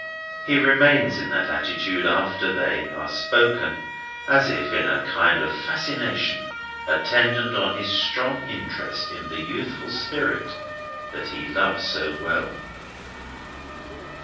He remains in that attitude after they are spoken, as if in a kind of fascination attendant on his strong interest in the youthful spirit that he loves so well.